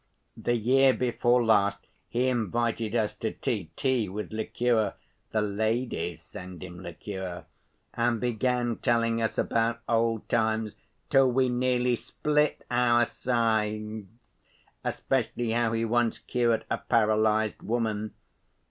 The year before last he invited us to tea, tea with liqueur (the ladies send him liqueur), and began telling us about old times till we nearly split our sides.... Especially how he once cured a paralyzed woman.